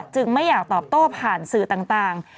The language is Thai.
ไม่อยากตอบโต้ผ่านสื่อต่าง